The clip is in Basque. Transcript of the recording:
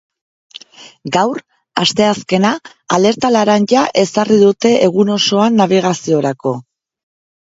Gaur, asteazkena, alerta laranja ezarri dute egun osoan nabigaziorako.